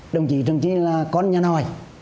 đồng chí trường trinh là con nhà nội